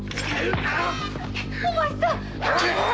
お前さん！